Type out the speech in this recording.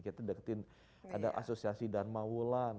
kita deketin ada asosiasi dharma wulan